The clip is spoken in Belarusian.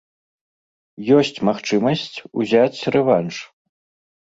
Ёсць магчымасць узяць рэванш.